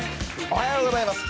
おはようございます。